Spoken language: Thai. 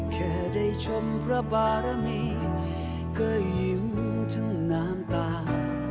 แค่ได้ชมพระบารมีก็ยิ้มทั้งน้ำตา